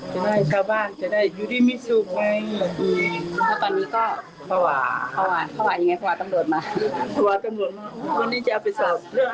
จะได้เข้าบ้านจะได้อยู่ที่มิสุทธิ์ไงแล้วตอนนี้ก็